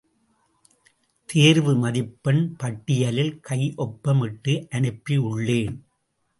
தேர்வு மதிப்பெண் பட்டியலில் கையொப்பம் இட்டு அனுப்பியுள்ளேன்.